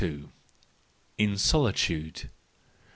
In Solitude.